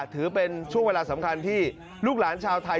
ถือเป็นช่วงเวลาสำคัญที่ลูกหลานชาวไทย